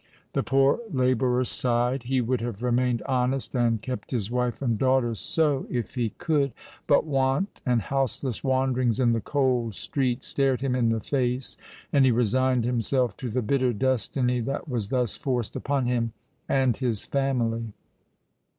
The poor labourer sighed: he would have remained honest, and kept his wife and daughter so, if he could; but want and houseless wanderings in the cold street stared him in the face—and he resigned himself to the bitter destiny that was thus forced upon him and his family!